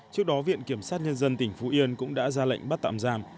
trước đó viện kiểm sát nhân dân tỉnh phú yên cũng đã ra lệnh bắt tạm giam